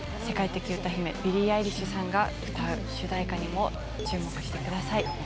世界的歌姫ビリー・アイリッシュさんが歌う主題歌にも注目してください。